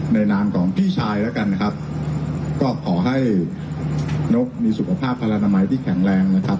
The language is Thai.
นามของพี่ชายแล้วกันนะครับก็ขอให้นกมีสุขภาพพลนามัยที่แข็งแรงนะครับ